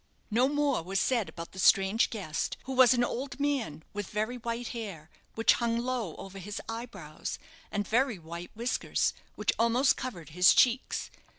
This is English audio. No more was said about the strange guest who was an old man, with very white hair, which hung low over his eyebrows; and very white whiskers, which almost covered his cheeks.